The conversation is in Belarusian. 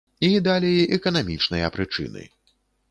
І, далей, эканамічныя прычыны.